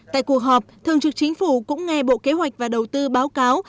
tại cuộc họp thường trực chính phủ cũng nghe bộ kế hoạch và đầu tư báo cáo